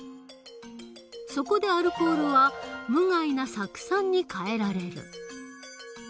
そこでアルコールは無害な酢酸に変えられる。